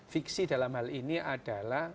fiksi dalam hal ini adalah